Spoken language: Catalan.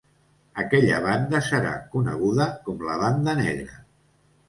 Aquella banda serà coneguda com la Banda Negra.